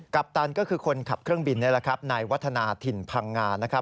กัปตันก็คือคนขับเครื่องบินนายวัฒนาถิ่นพังงา